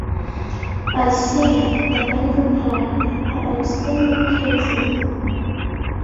"But, sir," the man replied, "I "am" Stanley Casson".